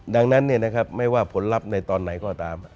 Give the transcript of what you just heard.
ดังนั้นไม่ว่าผลลัพธ์ในตอนไหนก็ตาม